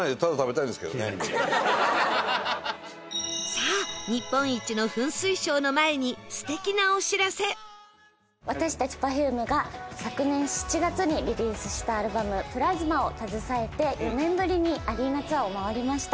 さあ日本一の私たち Ｐｅｒｆｕｍｅ が昨年７月にリリースしたアルバム『ＰＬＡＳＭＡ』を携えて４年ぶりにアリーナツアーを回りました。